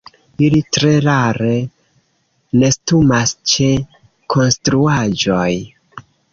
Ili tre rare nestumas ĉe konstruaĵoj.